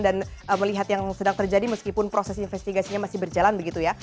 dan melihat yang sedang terjadi meskipun proses investigasinya masih berjalan begitu ya